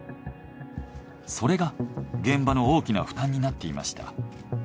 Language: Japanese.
それが現場の大きな負担になっていました。